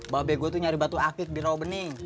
babi gue tuh nyari batu akik di rawa bening